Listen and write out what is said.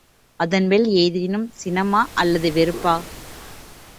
அதன் மேல் ஏதேனும் சினமா? — அல்லது வெறுப்பா?